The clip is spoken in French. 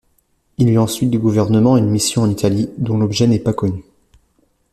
Il eut ensuite du gouvernement une mission en Italie, dont l’objet n’est pas connu.